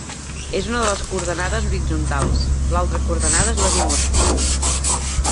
És una de les coordenades horitzontals; l'altra coordenada és l'azimut.